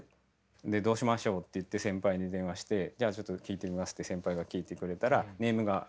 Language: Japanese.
でどうしましょうっていって先輩に電話してじゃあちょっと聞いてみますって先輩が聞いてくれたらネームがまだ出来てないと。